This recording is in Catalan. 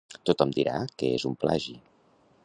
Tothom dirà que és un plagi.